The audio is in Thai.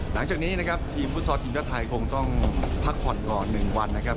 หลังจากนี้นะครับทีมฟุตซอลทีมชาติไทยคงต้องพักผ่อนก่อน๑วันนะครับ